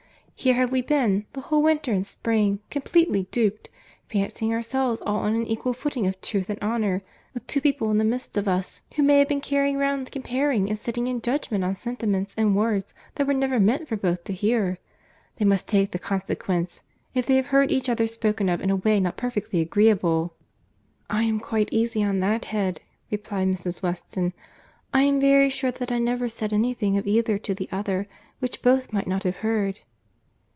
—Here have we been, the whole winter and spring, completely duped, fancying ourselves all on an equal footing of truth and honour, with two people in the midst of us who may have been carrying round, comparing and sitting in judgment on sentiments and words that were never meant for both to hear.—They must take the consequence, if they have heard each other spoken of in a way not perfectly agreeable!" "I am quite easy on that head," replied Mrs. Weston. "I am very sure that I never said any thing of either to the other, which both might not have heard."